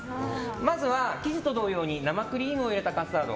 まずは、生地と同様に生クリームを入れたカスタード。